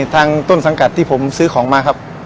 ต้นสังกัดที่ผมซื้อของมาครับ